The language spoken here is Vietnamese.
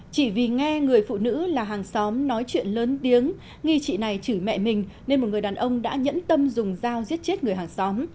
chỉ vì nghe người phụ nữ là hàng xóm nói chuyện lớn tiếng nghi chị này chửi mẹ mình nên một người đàn ông đã nhẫn tâm dùng dao giết chết người hàng xóm